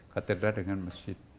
katedral dengan masjid